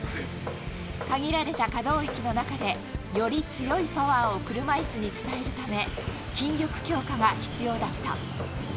限られた可動域の中でより強いパワーを車いすに伝えるため、筋力強化が必要だった。